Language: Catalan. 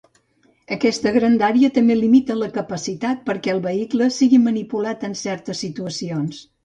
Aquesta grandària també limita la capacitat perquè el vehicle sigui manipulat en certes situacions.